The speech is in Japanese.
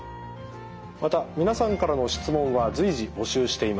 また皆さんからの質問は随時募集しています。